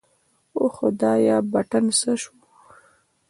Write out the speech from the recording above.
اوه خدايه بټن څه سو.